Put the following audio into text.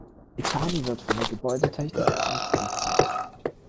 Etage wird von der Gebäudetechnik beansprucht.